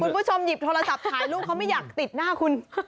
คุณผู้ชมหยิบโทรศัพท์ถ่ายรูปเขาไม่อยากติดหน้าคุณ